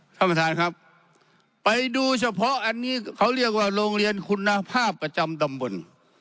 ท่านประธานครับไปดูเฉพาะอันนี้เขาเรียกว่าโรงเรียนคุณภาพประจำตำบล